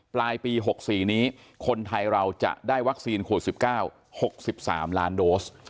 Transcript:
ปลายปี๖๔นี้คนไทยเราจะได้วัคซีนขวด๑๙๖๓ล้านโดส